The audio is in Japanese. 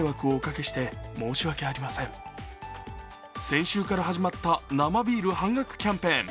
先週から始まった生ビール半額キャンペーン。